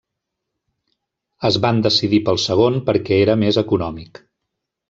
Es van decidir pel segon perquè era més econòmic.